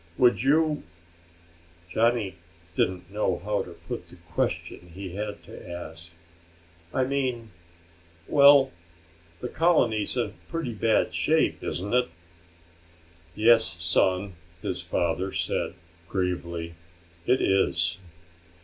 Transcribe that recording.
"Would you ?" Johnny didn't know how to put the question he had to ask. "I mean ... well, the colony's in pretty bad shape, isn't it?" "Yes, son," his father said gravely, "it is."